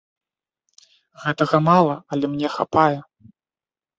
Гэтага мала, але мне хапае.